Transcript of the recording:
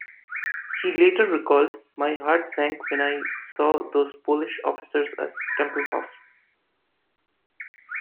He later recalled, My heart sank when I saw those Polish officers at Tempelhof.